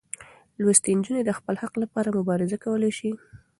لوستې نجونې د خپل حق لپاره مبارزه کولی شي.